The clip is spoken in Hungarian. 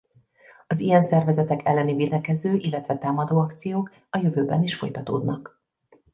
Az ilyen szervezetek elleni védekező illetve támadó akciók a jövőben is folytatódnak.